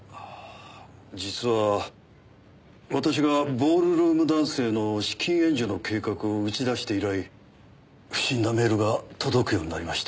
実は私がボールルームダンスへの資金援助の計画を打ち出して以来不審なメールが届くようになりまして。